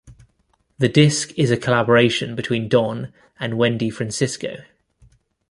The disk is a collaboration between Don and Wendy Francisco.